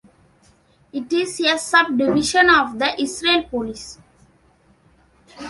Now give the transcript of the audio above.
It is a subdivision of the Israel Police.